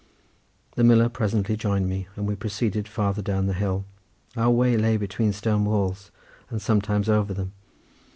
The miller presently joined me, and we proceeded farther down the hill. Our way lay between stone walls, and sometimes over them.